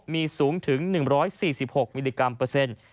มีสูงถึง๑๔๖มิลลิกรัมเปอร์เซ็นต์